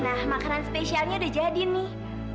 nah makanan spesialnya udah jadi nih